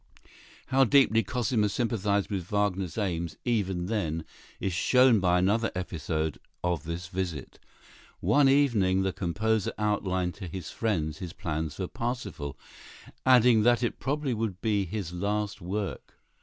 How deeply Cosima sympathized with Wagner's aims even then is shown by another episode of this visit. One evening the composer outlined to his friends his plans for "Parsifal," adding that it probably would be his last work.